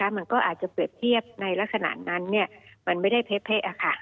มันก็อาจจะเปรียบเทียบในลักษณะนั้นมันไม่ได้เพาะ